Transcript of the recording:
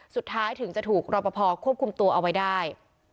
สุดท้ายถึงจะถูกรอปภควบคุมตัวเอาไว้ได้